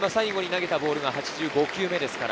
最後に投げたボールは８５球目です。